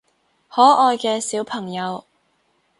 可愛嘅小朋友